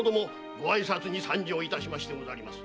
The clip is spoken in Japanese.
ご挨拶に参上いたしましてございまする。